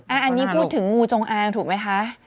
อันนี้พูดถึงงูจงอางถูกไหมคะ